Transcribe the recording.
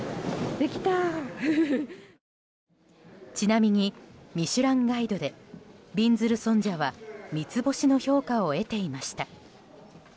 ちなみに「ミシュランガイド」でびんずる尊者は三つ星の評価を得ていました。